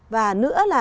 và nữa là